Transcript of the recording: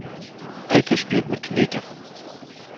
Eike spielt mit Knete.